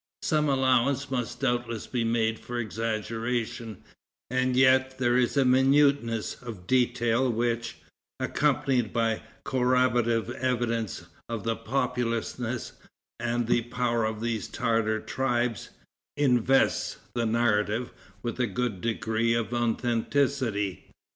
Some allowance must doubtless be made for exaggeration; and yet there is a minuteness of detail which, accompanied by corroborative evidence of the populousness and the power of these Tartar tribes, invests the narrative with a good degree of authenticity.